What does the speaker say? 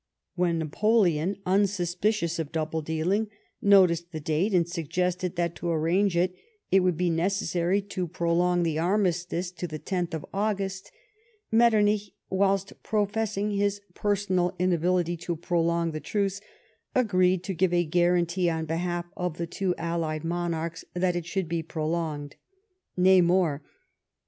When Napoleon, unsuspicious of double dealing, noticed the date, and suggested that to arrange it it would be necessary to prolong the armistice to the 10th August, Metternich, whilst professing his personal inability to pro long the truce, agreed to give a guaranteeonbehalf of the two allied monarclis, that it should be prolonged. Nay, more.